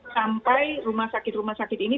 sampai rumah sakit rumah sakit ini